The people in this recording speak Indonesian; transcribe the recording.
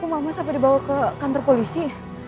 mama sampai dibawa ke kantor polisi